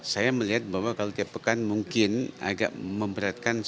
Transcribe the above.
saya melihat bahwa kalau setiap pekaan mungkin agak memberatkan